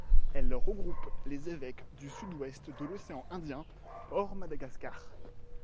Elle regroupe les évêques du Sud-Ouest de l'océan Indien, hors Madagascar.